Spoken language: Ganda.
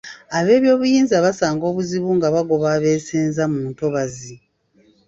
Ab'ebyobuyinza basanga obuzibu nga bagoba abeesenza mu ntobazi.